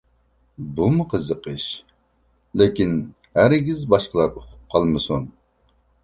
بۇمۇ قىزىق ئىش، لېكىن ھەرگىز باشقىلار ئۇقۇپ قالمىسۇن!